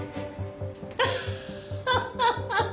アハハハハ